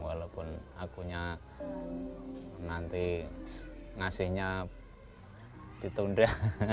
walaupun akunya nanti ngasihnya ditunda